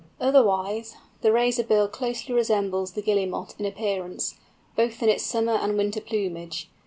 Otherwise, the Razorbill closely resembles the Guillemot in appearance, both in its summer and winter plumage.